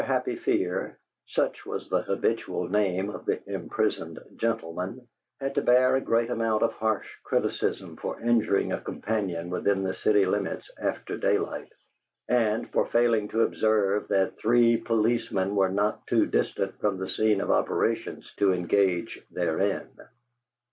Happy Fear (such was the habitual name of the imprisoned gentleman) had to bear a great amount of harsh criticism for injuring a companion within the city limits after daylight, and for failing to observe that three policemen were not too distant from the scene of operations to engage therein.